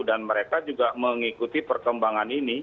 dan mereka juga mengikuti perkembangan ini